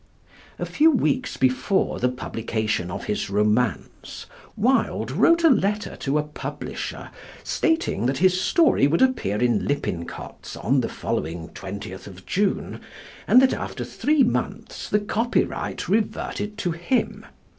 A few weeks before the publication of his romance Wilde wrote a letter to a publisher stating that his story would appear in Lippincott's on the following 20th of June, and that after three months the copyright reverted to him.